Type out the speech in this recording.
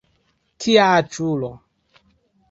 Kia aĉulo!